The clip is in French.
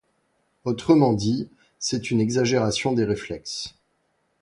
Autrement dit, c'est une exagération des réflexes.